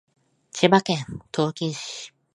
千葉県東金市